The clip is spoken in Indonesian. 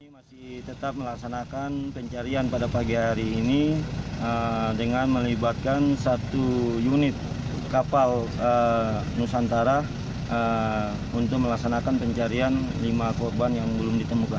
masih tetap melaksanakan pencarian pada pagi hari ini dengan melibatkan satu unit kapal nusantara untuk melaksanakan pencarian lima korban yang belum ditemukan